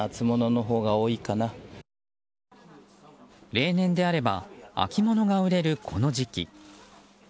例年であれば秋物が売れる、この時期。